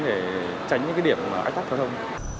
để tránh những điểm ách tắt khóa thông